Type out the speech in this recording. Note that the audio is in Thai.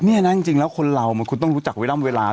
นี่นะจริงแล้วคนเรามันคุณต้องรู้จักเวลา